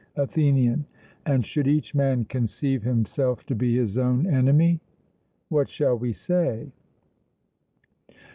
ATHENIAN: And should each man conceive himself to be his own enemy: what shall we say?